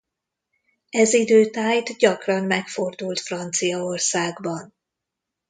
Ez idő tájt gyakran megfordult Franciaországban.